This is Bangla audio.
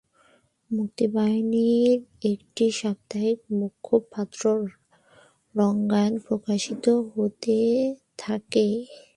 মুক্তিবাহিনীর একটি সাপ্তাহিক মুখপাত্র রণাঙ্গন প্রকাশিত হতে থাকে।